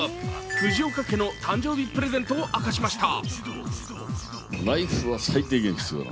藤岡家の誕生日プレゼントを明かしました。